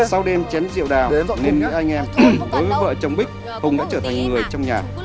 sau đêm chén rượu đào nên người anh em với vợ chồng bích hùng đã trở thành người trong nhà